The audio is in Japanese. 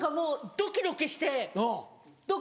ドキドキして。